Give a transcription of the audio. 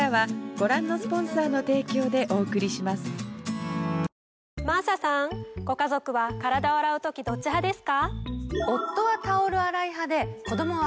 ご家族は体を洗う時どっち派ですか？